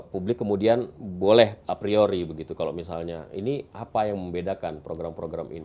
publik kemudian boleh a priori begitu kalau misalnya ini apa yang membedakan program program ini